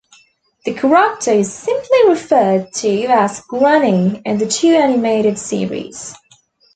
The character is simply referred to as Granny in the two animated series.